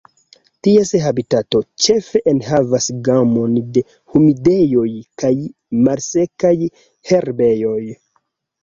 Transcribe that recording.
Ties habitato ĉefe enhavas gamon de humidejoj kaj malsekaj herbejoj.